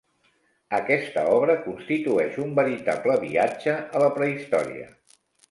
Aquesta obra constitueix un veritable viatge a la prehistòria.